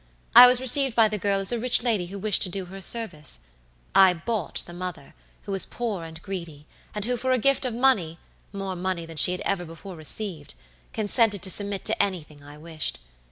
I was received by the girl as a rich lady who wished to do her a service. I bought the mother, who was poor and greedy, and who for a gift of money, more money than she had ever before received, consented to submit to anything I wished.